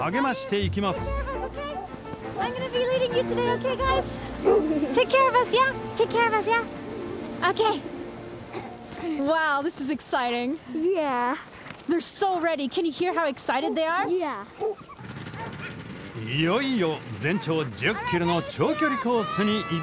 いよいよ全長１０ｋｍの長距離コースに挑みます。